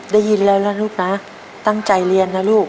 ได้ยินแล้วนะลูกนะตั้งใจเรียนนะลูก